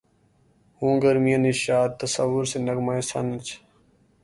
ہوں گرمیِ نشاطِ تصور سے نغمہ سنج